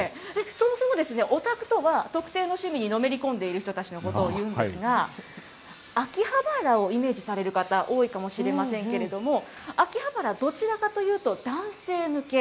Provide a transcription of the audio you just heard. そもそもオタクとは、特定の趣味にのめり込んでいる人たちのことをいうんですが、秋葉原をイメージされる方、多いかもしれませんけれども、秋葉原、どちらかというと、男性向け。